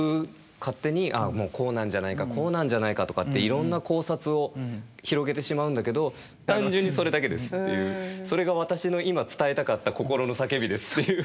勝手にもうこうなんじゃないかこうなんじゃないかとかっていろんな考察を広げてしまうんだけど単純にそれだけですっていうそれが私の今伝えたかった心の叫びですっていう。